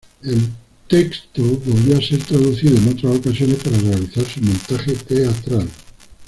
El texto volvió a ser traducido en otras ocasiones para realizar su montaje teatral.